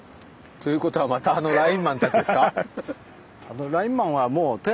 ということはまたあのラインマンたちですか？